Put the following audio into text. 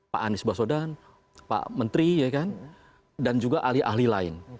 pak anies basodan pak menteri dan juga ahli ahli lain